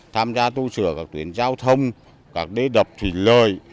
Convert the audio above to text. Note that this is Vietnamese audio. tham gia tu sửa các tuyến giao thông các đế đập thủy lời